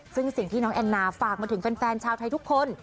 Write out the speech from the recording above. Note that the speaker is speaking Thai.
ซึ่งสิ่งที่น้องแอนนาฝากมาถึงแฟนชาวไทยทุกคน